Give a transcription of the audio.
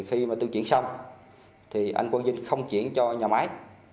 khi mà tôi chuyển xong thì anh quang dinh không chuyển cho nhà máy